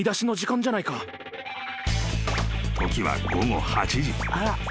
［時は午後８時］